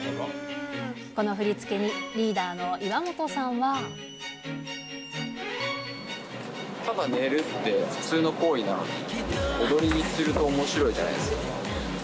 この振り付けにリーダーの岩本さただ寝るって、普通の行為なんですが、踊りにするとおもしろいじゃないですか。